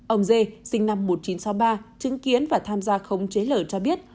ông d sinh năm một nghìn chín trăm sáu mươi ba chứng kiến và tham gia không chế lờ cho biết